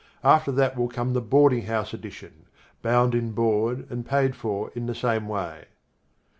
After that will come the Boarding House Edition, bound in board and paid for in the same way.